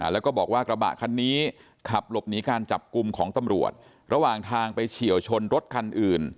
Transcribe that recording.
แล้วก็บอกว่ากระบะคันนี้ขับหลบหนีการจับกลุ่มของตำรวจระหว่างทางไปเฉียวชนรถคันอื่น